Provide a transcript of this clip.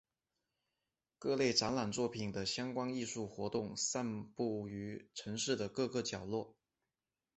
各类展览作品和相关的艺术活动散布于城市的各个角落。